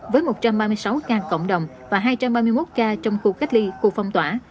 với một trăm ba mươi sáu ca cộng đồng và hai trăm ba mươi một ca trong khu cách ly khu phong tỏa